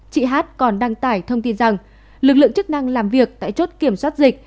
chị hát còn đăng tải thông tin rằng lực lượng chức năng làm việc tại chốt kiểm soát dịch